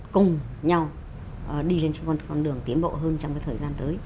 cùng nhau đi lên cho con đường tiến bộ hơn trong cái thời gian tới